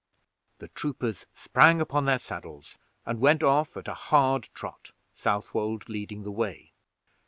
The troopers sprung upon their saddles, and went off at a hard trot, Southwold leading the way.